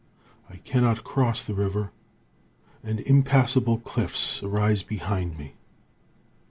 I cannot cross the river, and impassable cliffs arise behind me.